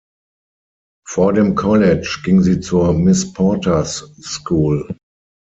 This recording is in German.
Vor dem College ging sie zur Miss Porter’s School.